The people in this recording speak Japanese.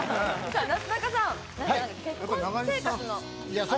なすなかさん、結婚生活のアドバイス。